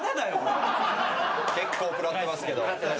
・結構食らってますけど。